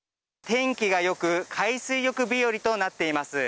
天気がよく、海水浴日和となっています。